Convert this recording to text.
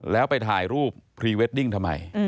แล้วไปถ่ายรูปพรีเวดดิ้งทำไม